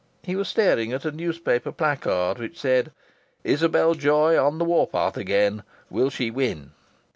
He was staring at a newspaper placard which said: "Isabel Joy on the war path again. Will she win?"